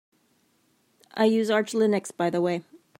I use Arch Linux by the way.